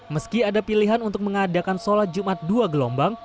meski ada pilihan untuk mengadakan sholat jumat dua gelombang